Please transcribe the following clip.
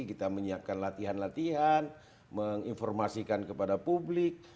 kita menyiapkan latihan latihan menginformasikan kepada publik